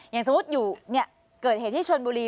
อย่างสมมุติอยู่เกิดเหตุที่ชนบุรี